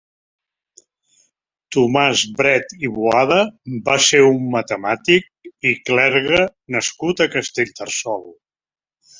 Tomàs Bret i Boada va ser un matemàtic i clergue nascut a Castellterçol.